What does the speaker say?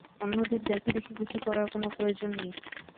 অন্যদের দেখাদেখি কিছু করার কোনো প্রয়োজন নেই।